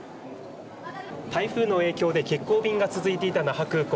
台風の影響で欠航便が続いていた那覇空港。